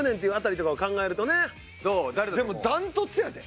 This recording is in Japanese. でも断トツやで？